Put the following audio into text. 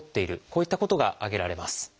こういったことが挙げられます。